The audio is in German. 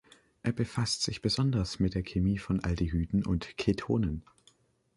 Er befasste sich besonders mit der Chemie von Aldehyden und Ketonen.